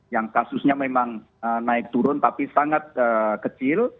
yang kasusnya memang naik turun tapi sangat kecil